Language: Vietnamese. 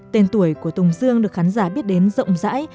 tên tuổi của tùng dương được khán giả biết đến rộng rãi